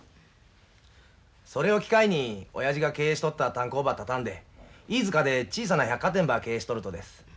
それを機会におやじが経営しとった炭鉱ば畳んで飯塚で小さな百貨店ば経営しとるとです。